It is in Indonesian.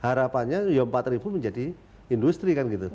harapannya empat ribu menjadi industri